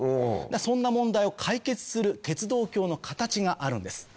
そんな問題を解決する鉄道橋の形があるんです。